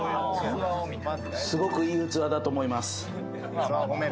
すごくいい器だと思います。